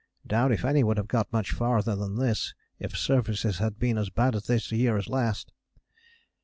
Doubt if any would have got much farther than this if surfaces had been as bad this year as last."